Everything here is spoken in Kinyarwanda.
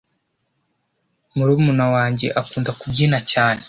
Murumuna wajye akunda kubyina cyane